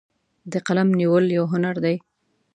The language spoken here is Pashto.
د قلم نیول یو هنر دی.